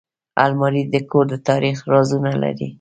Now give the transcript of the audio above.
الماري د کور د تاریخ رازونه لري